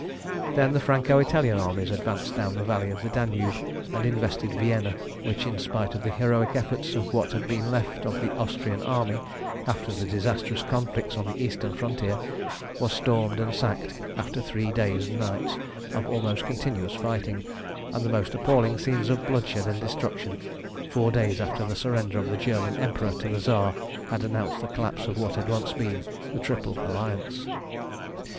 Then the Franco Italian armies advanced down the valley of the Danube and invested Vienna, which, in spite of the heroic efforts of what had been left of the Austrian army after the disastrous conflicts on the Eastern frontier, was stormed and sacked after three days and nights of almost continuous fighting, and the most appalling scenes of bloodshed and destruction, four days after the surrender of the German Emperor to the Tsar had announced the collapse of what had once been the Triple Alliance.